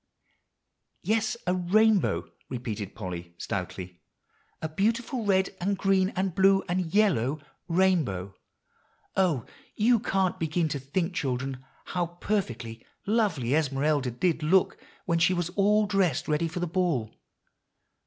"Yes, a rainbow," repeated Polly stoutly; "a beautiful red and green and blue and yellow rainbow. Oh! you can't begin to think, children, how perfectly lovely Esmeralda did look when she was all dressed ready for the Ball.